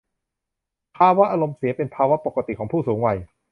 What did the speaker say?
ภาวะอารมณ์เสียเป็นภาวะปกติของผู้สูงวัย